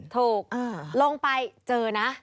ถูกลงไปเจอนะ